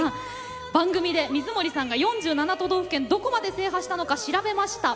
番組で水森さんが４７都道府県どこまで制覇したのか調べてみました。